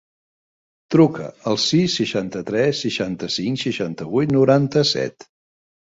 Truca al sis, seixanta-tres, seixanta-cinc, seixanta-vuit, noranta-set.